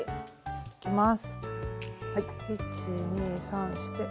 １２３して。